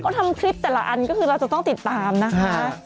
ก็ทำคลิปแต่ละอันก็คือเราจะต้องติดตามนะคะ